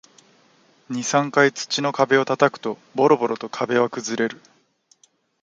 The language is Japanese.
二、三回土の壁を叩くと、ボロボロと壁は崩れる